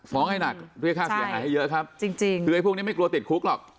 ให้หนักเรียกค่าเสียหายให้เยอะครับจริงคือไอ้พวกนี้ไม่กลัวติดคุกหรอก